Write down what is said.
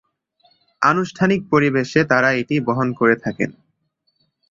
আনুষ্ঠানিক পরিবেশে তারা এটি বহন করে থাকেন।